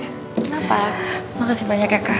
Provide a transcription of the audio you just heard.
kenapa makasih banyak ya kak